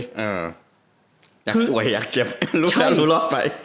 อยากอวยอยากเจ็บรู้รอบไป